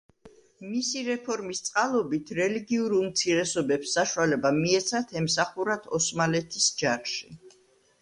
მისი რეფორმის წყალობით, რელიგიურ უმცირესობებს საშუალება მიეცათ ემსახურათ ოსმალეთი ჯარში.